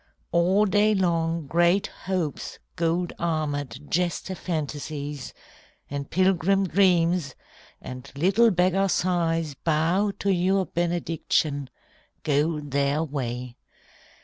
All day long Great Hopes gold armoured, jester Fantasies, And pilgrim Dreams, and little beggar Sighs, Bow to your benediction, go their way.